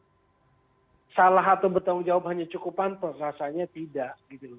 kalau pantol salah atau bertanggung jawab hanya cukup pantol rasanya tidak